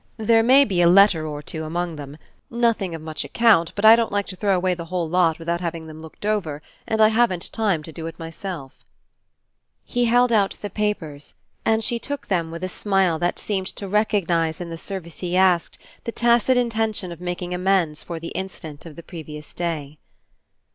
There may be a letter or two among them nothing of much account, but I don't like to throw away the whole lot without having them looked over and I haven't time to do it myself." He held out the papers and she took them with a smile that seemed to recognize in the service he asked the tacit intention of making amends for the incident of the previous day.